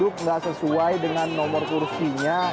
udah anjing yaized kuriti ya